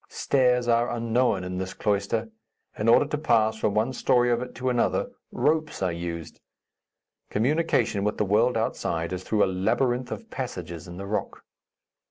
Stairs are unknown in this cloister. In order to pass from one story of it to another, ropes are used. Communication with the world outside is through a labyrinth of passages in the rock.